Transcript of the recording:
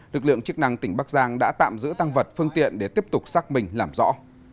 lực lượng chức năng tỉnh bắc giang đã tạm giữ tăng vật phương tiện để tiếp tục xác minh làm rõ